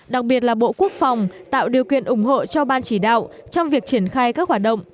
đặc biệt là bộ quốc phòng tạo điều kiện ủng hộ cho ban chỉ đạo trong việc triển khai các hoạt động